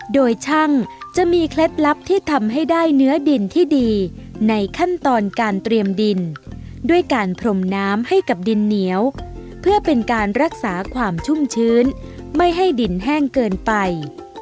โดยช่างจะมีเคล็ดลับที่ทำให้ได้เนื้อดินที่ดีในขั้นตอนการเตรียมดินด้วยการพรมน้ำให้กับดินเหนียวเพื่อเป็นการรักษาความชุ่มชื้นไม่ให้ดินแห้งเกินไป